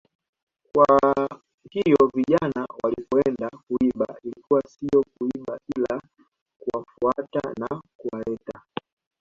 Kwa hiyo vijana walipoenda kuiba ilikuwa sio kuiba ila kuwafuata na kuwaleta